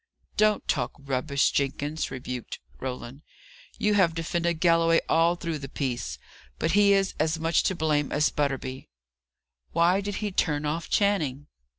"Don't talk rubbish, Jenkins," rebuked Roland. "You have defended Galloway all through the piece, but he is as much to blame as Butterby. Why did he turn off Channing?"